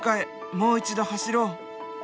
もう一度走ろう」。